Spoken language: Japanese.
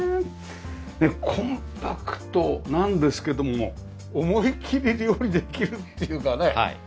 コンパクトなんですけども思い切り料理できるっていうかね。